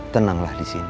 tenanglah di sini